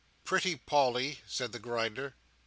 "Pretty Polly!" said the Grinder.